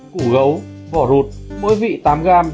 củ gấu vỏ rụt mỗi vị tám g